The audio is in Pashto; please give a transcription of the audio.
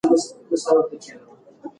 ارمان کاکا پر پوله باندې دمه وکړه.